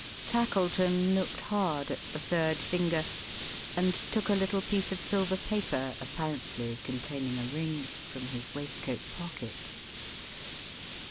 Tackleton looked hard at the third finger; and took a little piece of silver paper, apparently containing a ring, from his waistcoat pocket.